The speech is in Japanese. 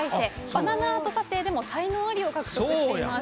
バナナアート査定でも才能アリを獲得しています。